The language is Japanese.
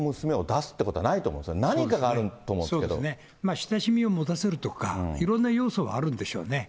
親しみを持たせるとか、いろんな要素があるんでしょうね。